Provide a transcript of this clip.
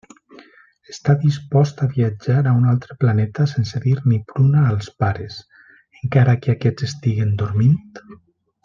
Està dispost a viatjar a un altre planeta sense dir ni pruna als pares, encara que aquests estiguen dormint?